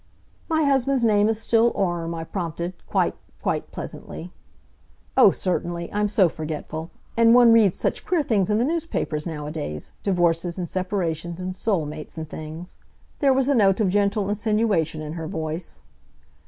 "My husband's name is still Orme," I prompted, quite, quite pleasantly. "Oh, certainly. I'm so forgetful. And one reads such queer things in the newspapers nowa days. Divorces, and separations, and soul mates and things." There was a note of gentle insinuation in her voice.